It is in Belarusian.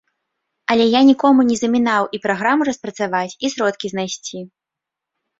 Але я нікому не замінаў і праграму распрацаваць, і сродкі знайсці.